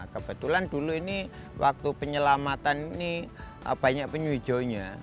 kebetulan dulu ini waktu penyelamatan ini banyak penyu hijaunya